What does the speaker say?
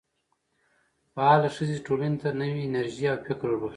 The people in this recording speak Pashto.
فعاله ښځې ټولنې ته نوې انرژي او فکر وربخښي.